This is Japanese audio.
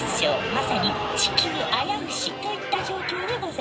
まさに地球あやうしといった状況でござあます。